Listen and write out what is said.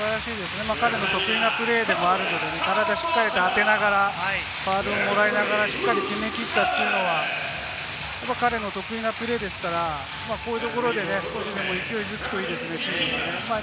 彼の得意なプレーでもあるんですけれども、体を当てながら、しっかり決めきったというのは、彼の得意なプレーですから、こういうところで少しでも勢いづくといいですよね。